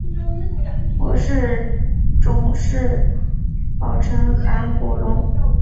模式种是宝城韩国龙。